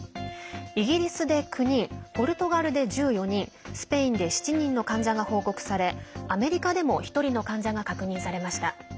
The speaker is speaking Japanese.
イギリスで９人ポルトガルで１４人スペインで７人の患者が報告されアメリカでも１人の患者が確認されました。